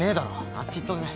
あっち行っとけ。